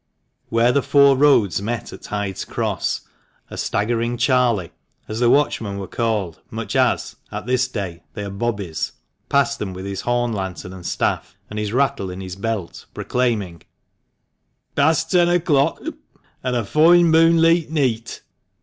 Where the four roads met at Hyde's Cross, a staggering Charlie (as the watchmen were called, much as, at this day, they are Bobbies) passed them, with his horn lantern and staff, and his rattle in his belt, proclaiming — THE MANCHESTER MAN. 313 "Past ten o'clock!". "And a foin moonleet neet